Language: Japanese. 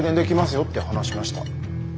よって話しました。